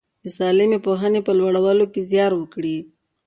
د سالمې پوهنې په لوړولو کې زیار وکړي.